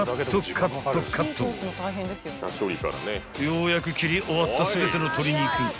［ようやく切り終わった全ての鶏肉］